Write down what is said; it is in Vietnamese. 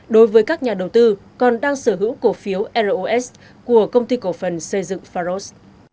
đối với các nhà đầu tư còn đang sở hữu cổ phiếu ros của công ty cổ phần xây dựng pharos